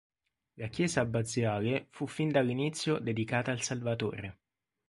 La chiesa abbaziale fu fin dall'inizio dedicata al Salvatore.